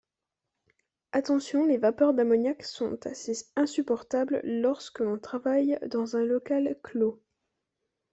Attention les vapeurs d’ammoniac sont assez insupportables lorsque l'on travaille dans un local clos.